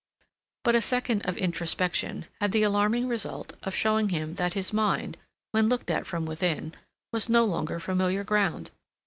But a second of introspection had the alarming result of showing him that his mind, when looked at from within, was no longer familiar ground.